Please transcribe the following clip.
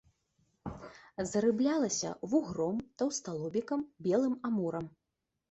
Зарыблялася вугром, таўсталобікам, белым амурам.